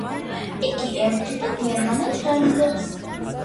იგი ებრძოდა გერმანელ რაინდებს.